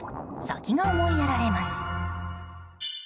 先が思いやられます。